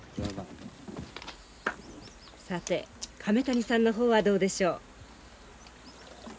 さて亀谷さんの方はどうでしょう？